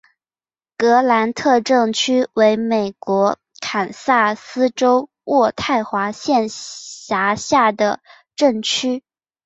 格兰特镇区为美国堪萨斯州渥太华县辖下的镇区。